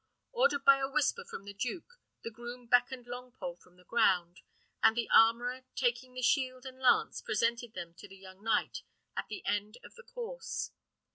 Ordered by a whisper from the duke, the groom beckoned Longpole from the ground, and the armourer, taking the shield and lance, presented them to the young knight at the end of the course.